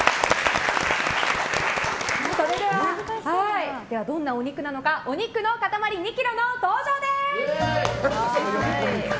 ではどんなお肉なのかお肉の塊２ｋｇの登場です！